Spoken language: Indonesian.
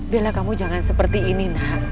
bela kamu jangan seperti ini nak